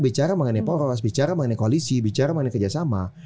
bicara mengenai poros bicara mengenai koalisi bicara mengenai kerjasama